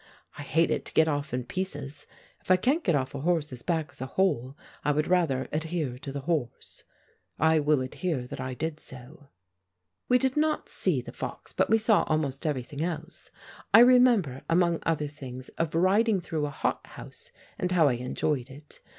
I hated to get off in pieces. If I can't get off a horse's back as a whole, I would rather adhere to the horse. I will adhere that I did so. We did not see the fox, but we saw almost everything else. I remember, among other things, of riding through a hothouse, and how I enjoyed it.